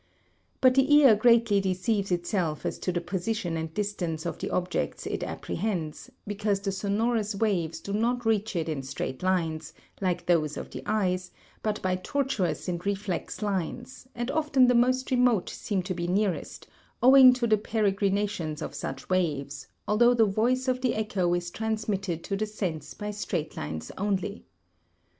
But the ear greatly deceives itself as to the position and distance of the objects it apprehends, because the sonorous waves do not reach it in straight lines, like those of the eye, but by tortuous and reflex lines, and often the most remote seem to be nearest, owing to the peregrinations of such waves, although the voice of the echo is transmitted to the sense by straight lines only.